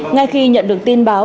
ngay khi nhận được tin báo